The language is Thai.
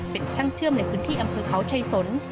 เป็นช่างเชื่อมในพื้นที่อำเภอเขาชัยสน